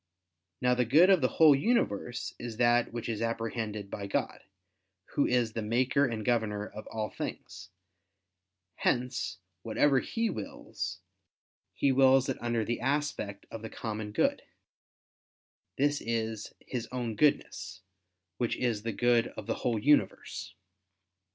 Now the good of the whole universe is that which is apprehended by God, Who is the Maker and Governor of all things: hence whatever He wills, He wills it under the aspect of the common good; this is His own Goodness, which is the good of the whole universe.